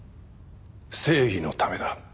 正義のためだ。